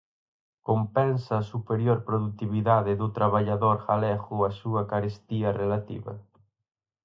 ¿compensa a superior productividade do traballador galego a súa carestía relativa?